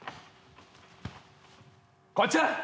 こちら！